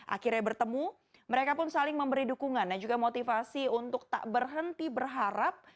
akhirnya bertemu mereka pun saling memberi dukungan dan juga motivasi untuk tak berhenti berharap